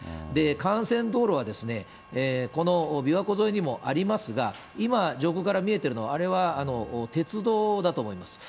幹線道路は、この琵琶湖沿いにもありますが、今、上空から見えてるのは、あれは鉄道だと思います。